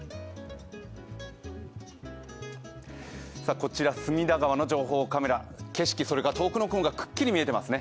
こちら、隅田川の情報カメラ、景色、遠くの雲がくっきり見えていますね。